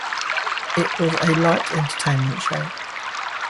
It was a light entertainment show.